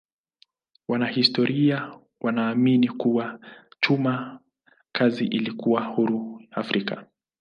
Wanahistoria wanaamini kuwa chuma kazi ilikuwa huru Afrika.